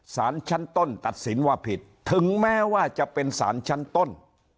สารชั้นต้นตัดสินว่าผิดถึงแม้ว่าจะเป็นสารชั้นต้น